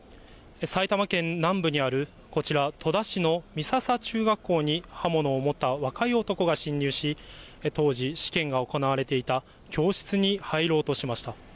埼玉県南部にあるこちら、戸田市の美笹中学校に、刃物を持った若い男が侵入し、当時、試験が行われていた教室に入ろうとしました。